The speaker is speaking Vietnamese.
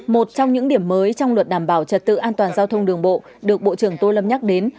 một trong những điểm mới trong luật đảm bảo trật tự an toàn giao thông đường bộ được bộ trưởng tô lâm nhắc đến